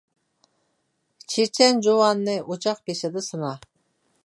چېچەن جۇۋاننى ئوچاق بېشىدا سىنا.